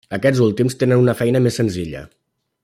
Aquests últims tenen una feina més senzilla.